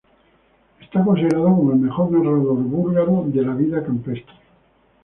Es considerado como el mejor narrador búlgaro de la vida campestre.